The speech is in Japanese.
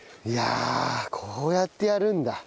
いやあこうやってやるんだ。